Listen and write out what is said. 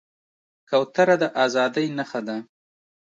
کوتره د ازادۍ نښه ده.